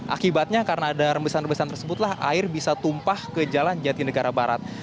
akibatnya karena ada rembesan rembesan tersebutlah air bisa tumpah ke jalan jati negara barat